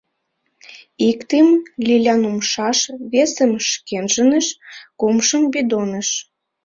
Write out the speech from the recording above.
Иктым — Лилян умшаш, весым — шкенжыныш, кумшым — бидоныш.